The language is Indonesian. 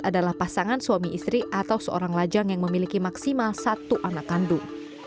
adalah pasangan suami istri atau seorang lajang yang memiliki maksimal satu anak kandung